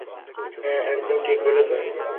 হ্যাঁ, একদম ঠিক বলেছো!